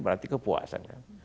berarti kepuasan kan